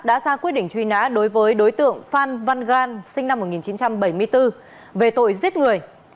đã ra quyết định truy nã đối với đối tượng phan văn gan sinh năm một nghìn chín trăm bảy mươi bốn về tội giết người